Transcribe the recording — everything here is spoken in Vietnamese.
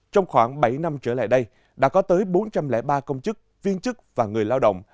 trong khoảng bảy năm trở lại đây đã có tới bốn trăm linh ba công chức viên chức và người lao động